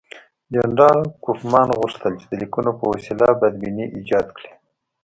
جنرال کوفمان غوښتل چې د لیکونو په وسیله بدبیني ایجاد کړي.